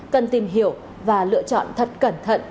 cần tìm hiểu và lựa chọn thật cẩn thận